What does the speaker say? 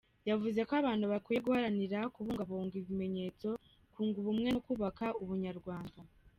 Yavuze ko abantu bakwiye guharanira kubungabunga ibimenyetso, kunga ubumwe no kubaka Ubunyarwanda.